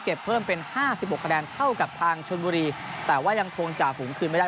เก็บเพิ่มเป็น๕๖คะแดนเท่ากับทางชนบุรีแต่ว่ายังทวงจ่าฝูงคืนไม่ได้